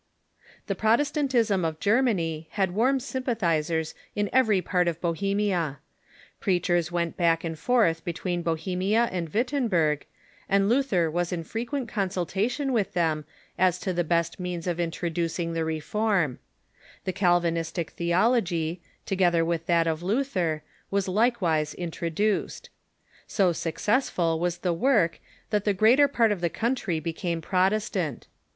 The Protestantism of Germany had Avarm sympathizers in every part of Bohemia. Preachers went back and forth be « tAveen Bohemia and Wittenbersr, and Luther Avas German ...^ Protestantism in frequent consultation Avith them as to the best in 0 emia ^^^gj^j^g ^f introducing the reform. The Calvinistic theology, together Avith that of Luther, was likewise intro duced. So successful Avas the Avork that the greater part of the country became Protestant.